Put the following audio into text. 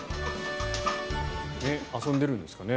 遊んでるんですかね。